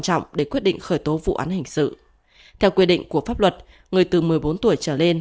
trọng để quyết định khởi tố vụ án hình sự theo quy định của pháp luật người từ một mươi bốn tuổi trở lên